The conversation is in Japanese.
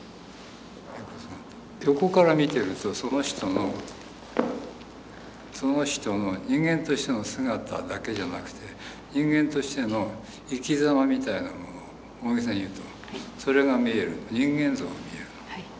横から見てるとその人のその人の人間としての姿だけじゃなくて人間としての生きざまみたいなもの大げさに言うとそれが見える人間像が見えるの。